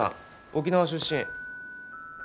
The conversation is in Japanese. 沖縄出身。